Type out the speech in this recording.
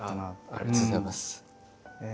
ありがとうございます。